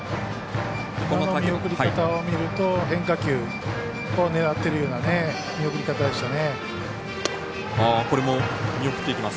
この見送り方を見ると変化球を狙ってるような見送り方でしたね。